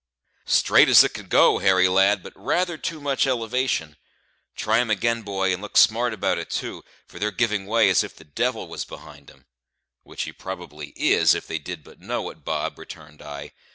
"Straight as it could go, Harry, lad, but rather too much elevation; try 'em again, boy, and look smart about it too, for they're giving way as if the devil was behind 'em." "Which he probably is, if they did but know it, Bob," returned I.